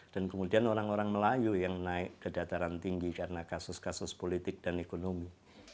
dan kemudian orang orang melayu yang naik ke dataran tinggi karena kasus kasus politik dan ekonomi